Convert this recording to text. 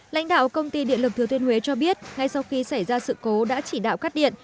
lãnh đạo công ty điện lực thừa thiên huế cho biết ngay sau khi xảy ra sự cố đã chỉ đạo cắt điện